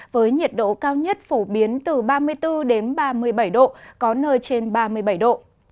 với nhiệt độ cao nhất phổ biến từ ba mươi bốn ba mươi bảy độ có nơi trên ba mươi bảy độ